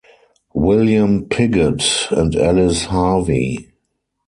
William Piggott and Alice Harvey.